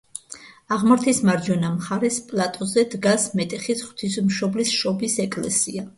აღმართის მარჯვენა მხარეს, პლატოზე, დგას მეტეხის ღვთისმშობლის შობის ეკლესია.